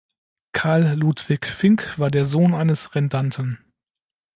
Carl Ludwig Fink war der Sohn eines Rendanten.